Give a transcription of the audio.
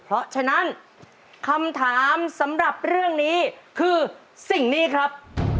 เพราะฉะนั้นคำถามสำหรับเรื่องนี้คือสิ่งนี้ครับ